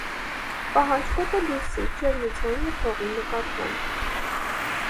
Պահանջկոտ է լույսի ջերմության և հողի նկատմամբ։